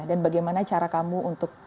dan bagaimana cara kamu untuk